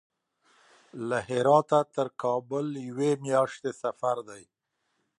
له هراته تر کابل یوې میاشتې سفر دی.